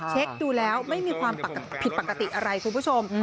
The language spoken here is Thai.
เช็คดูแล้วไม่มีความผิดปกติอะไรคุณผู้ชม